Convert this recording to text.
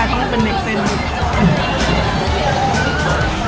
อาจจะต้องเป็นเล็กเส้น